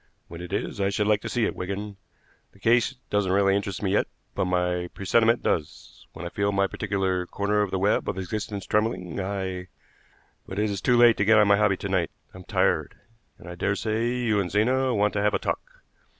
When it is I should like to see it, Wigan. The case doesn't really interest me yet, but my presentiment does. When I feel my particular corner of the web of existence trembling I but it is too late to get on my hobby to night. I'm tired, and I dare say you and Zena want to have a talk.